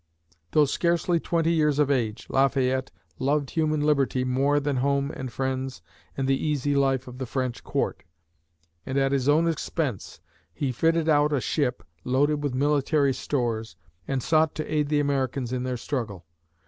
Though scarcely twenty years of age, Lafayette loved human liberty more than home and friends and the easy life of the French court, and at his own expense, he fitted out a ship, loaded with military stores, and sought to aid the Americans in their struggle.